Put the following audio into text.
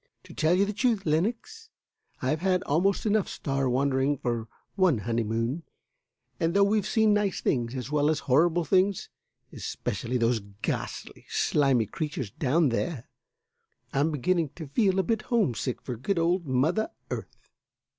"To tell you the truth, Lenox, I've had almost enough star wandering for one honeymoon, and though we've seen nice things as well as horrible things especially those ghastly, slimy creatures down there I'm beginning to feel a bit homesick for good old Mother Earth.